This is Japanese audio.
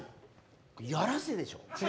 やらせでしょ。